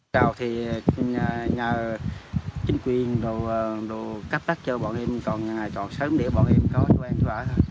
nhiều nhà chính quyền cấp đất cho bọn em còn sớm để bọn em có chú anh chú ạ